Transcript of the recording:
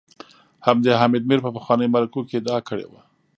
همدې حامد میر په پخوانیو مرکو کي ادعا کړې وه